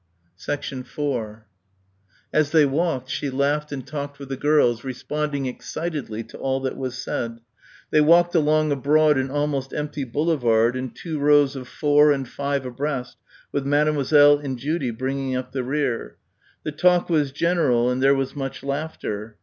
4 As they walked she laughed and talked with the girls, responding excitedly to all that was said. They walked along a broad and almost empty boulevard in two rows of four and five abreast, with Mademoiselle and Judy bringing up the rear. The talk was general and there was much laughter.